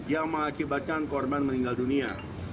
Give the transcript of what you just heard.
yang mengakibatkan korban meninggal dunia